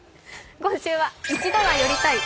今週は「一度は寄りたい！